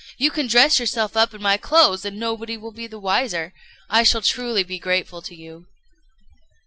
You can dress yourself up in my clothes, and nobody will be the wiser. I shall be truly grateful to you."